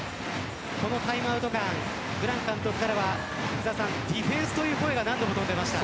このタイムアウト間ブラン監督からはディフェンスという声が何度も聞こえました。